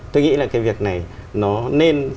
tôi nghĩ là cái việc này nó nên